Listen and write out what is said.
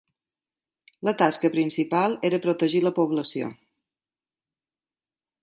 La tasca principal era protegir la població.